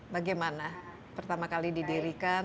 bagaimana pertama kali didirikan